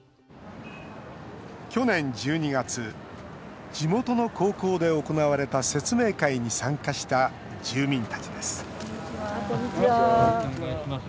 去年１２月地元の高校で行われた説明会に参加した住民たちです